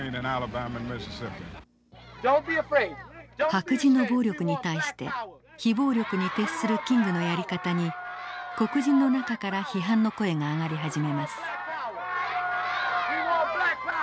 白人の暴力に対して非暴力に徹するキングのやり方に黒人の中から批判の声が上がり始めます。